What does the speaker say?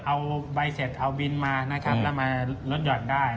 เอาใบเสร็จเอาบินมานะครับแล้วมาลดหย่อนได้